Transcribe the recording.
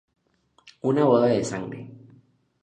Una boda de sangre.